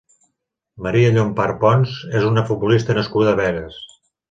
Maria Llompart Pons és una futbolista nascuda a Begues.